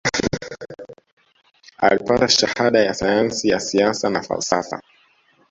Alipata shahada ya sayansi ya siasa na falsafa